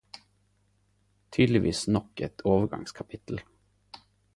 Tydelegvis nok eit overgangskapittel.